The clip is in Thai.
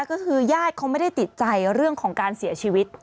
ก็คือญาติเขาไม่ได้ติดใจเรื่องของการเสียชีวิต